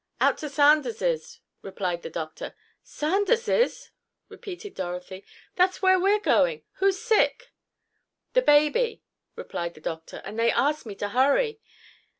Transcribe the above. "Out to Sanders's," replied the doctor. "Sanders's!" repeated Dorothy. "That's where we're going. Who's sick?" "The baby," replied the doctor, "and they asked me to hurry."